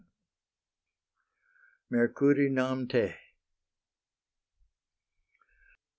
MERCURI, NAM TE.